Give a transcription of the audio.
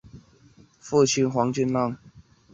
父亲黄敬让。